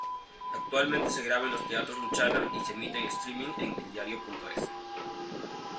Actualmente se graba en los Teatros Luchana y se emite en streaming en eldiario.es.